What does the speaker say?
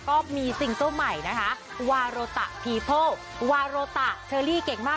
ก็มีสิ่งตัวใหม่นะคะวาโรตะพีพลวาโรตะเชอรี่เก่งมาก